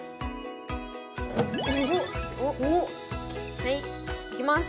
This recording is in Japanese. はいいきます。